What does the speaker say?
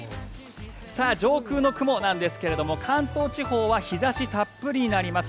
上空の雲ですが、関東地方は日差したっぷりになります。